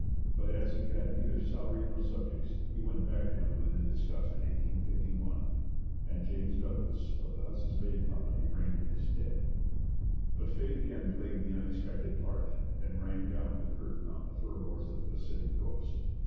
But as he had neither salary nor subjects, he went back to England in disgust in 1851, and James Douglas of the Hudson's Bay Company reigned in his stead. But fate again played the unexpected part, and rang down the curtain on the fur lords of the Pacific coast.